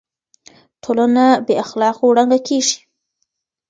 ټولنه بې اخلاقو ړنګه کيږي.